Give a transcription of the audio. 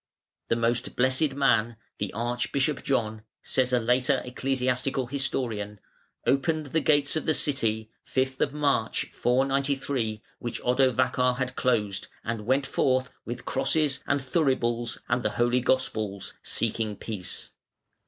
"The most blessed man, the Archbishop John", says a later ecclesiastical historian, "opened the gates of the city, 5 March, 493, which Odovacar had closed, and went forth with crosses and thuribles and the Holy Gospels, seeking peace.